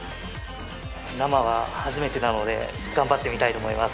生は初めてなので、頑張ってみたいと思います。